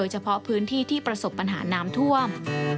เฉพาะพื้นที่ที่ประสบปัญหาน้ำท่วม